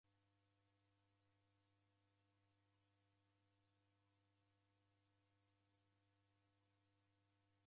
Kusaghua vilongozi vifwane kwa jamii kwadareda maendeleo.